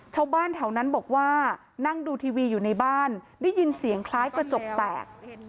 ชาวบ้านแถวนั้นบอกว่านั่งดูทีวีอยู่ในบ้านได้ยินเสียงคล้ายกระจกแตก